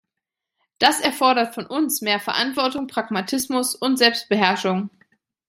Das erfordert von uns mehr Verantwortung, Pragmatismus und Selbstbeherrschung.